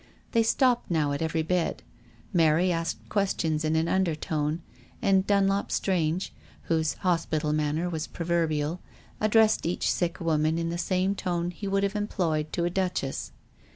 They stopped, now, at every bed. Mary asked questions in an undertone, and Dunlop Strange, whose hos pital manner was proverbial, addressed each sick woman in the same tone he would have employed to a duchess.